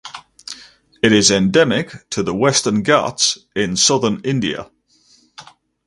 It is endemic to the Western Ghats in southern India.